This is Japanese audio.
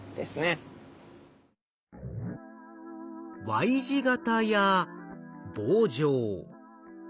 Ｙ字形や棒状。